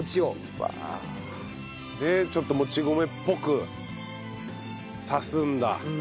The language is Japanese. うわあ。でちょっともち米っぽくさせるんだ。